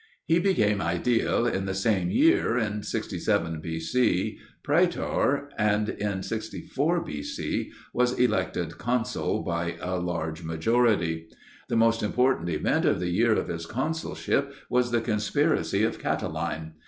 He became aedile in the same year, in 67 B.C. praetor, and in 64 B. C. was elected consul by a large majority. The most important event of the year of his consulship was the conspiracy of Catiline.